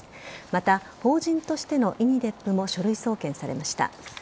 また、法人としてのｉＮｉＤＥＰも書類送検されました。